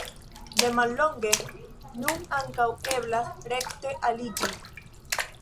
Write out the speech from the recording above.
De mallonge nun ankaŭ eblas rekte aliĝi.